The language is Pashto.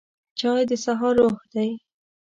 چای د سهار روح دی